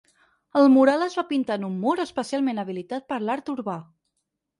El mural es va pintar en un mur especialment habilitat per l’art urbà.